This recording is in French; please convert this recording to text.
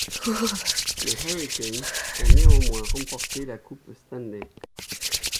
Les Hurricanes ont néanmoins remporté la Coupe Stanley.